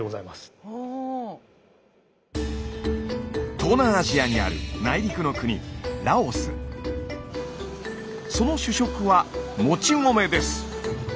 東南アジアにある内陸の国その主食はもち米です！